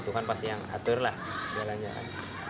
tuhan pasti yang atur lah segalanya kan